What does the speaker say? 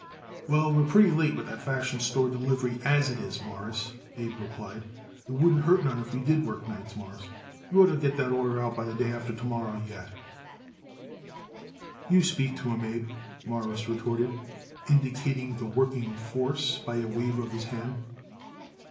"Well, we're pretty late with that Fashion Store delivery as it is, Mawruss," Abe replied. "It wouldn't hurt none if we did work nights, Mawruss. We ought to get that order out by the day after to morrow yet." "You speak to 'em, Abe," Morris retorted, indicating the working force by a wave of his hand.